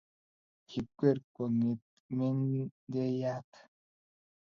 kikwer kwong'et menejayat